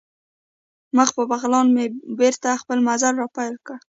مخ په بغلان مو بېرته خپل مزل را پیل کړ.